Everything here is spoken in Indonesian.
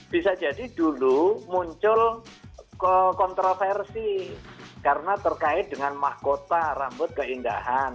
bisa jadi dulu muncul kontroversi karena terkait dengan mahkota rambut keindahan